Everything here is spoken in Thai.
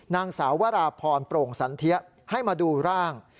นางสาววราพรโปร่งสันเทียให้มาดูร่าง